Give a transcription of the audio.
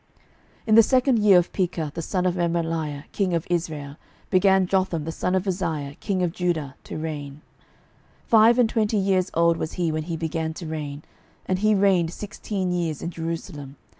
12:015:032 In the second year of Pekah the son of Remaliah king of Israel began Jotham the son of Uzziah king of Judah to reign. 12:015:033 Five and twenty years old was he when he began to reign, and he reigned sixteen years in Jerusalem.